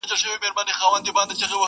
لېري لېري له دې نورو څه او سېږي.